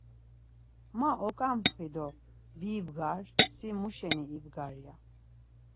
Ma oǩomxvi do bibgar, si muşeni ibgar ya.